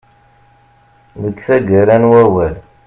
Deg taggara n wawal.